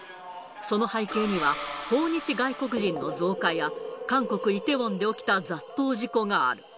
その背景には、訪日外国人の増加や、韓国・イテウォンで起きた雑踏事故がある。